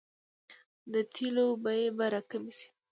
د تیلو بیې به راکمې شي؟